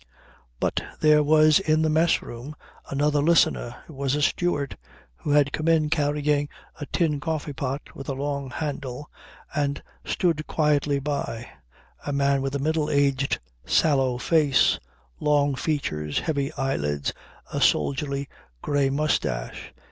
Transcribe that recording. But there was in the mess room another listener. It was the steward, who had come in carrying a tin coffee pot with a long handle, and stood quietly by: a man with a middle aged, sallow face, long features, heavy eyelids, a soldierly grey moustache.